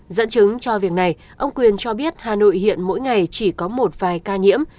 dẫn chứng cho việc này ông quyền cho biết hà nội hiện mỗi ngày chỉ có một vài ca nhiễm